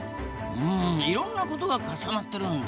うんいろんなことが重なってるんだ。